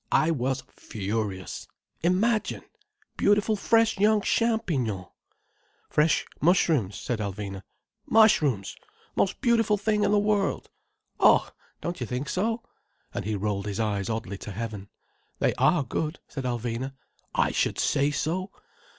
I was furious. Imagine!—beautiful fresh young champignons—" "Fresh mushrooms," said Alvina. "Mushrooms—most beautiful things in the world. Oh! don't you think so?" And he rolled his eyes oddly to heaven. "They are good," said Alvina. "I should say so.